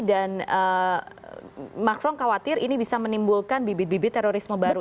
macron khawatir ini bisa menimbulkan bibit bibit terorisme baru